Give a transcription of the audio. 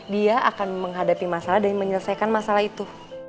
dia akan menghadapi masalah dan menyelesaikan masalah itu